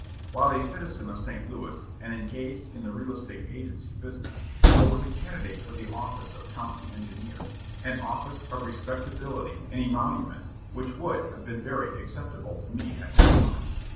While a citizen of St. Louis, and engaged in the real estate agency business, I was a candidate for the office of county engineer, an office of respectability and emolument which would have been very acceptable to me at that time.